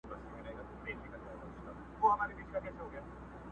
دا به څوک وي چي ستا مخي ته درېږي.!